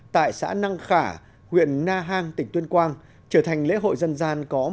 tại xã năng khả huyện na hang tỉnh tuyên quang trở thành lễ hội dân gian có một trăm linh hai